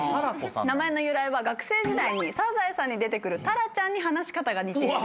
名前の由来は学生時代に『サザエさん』に出てくるタラちゃんに話し方が似ている。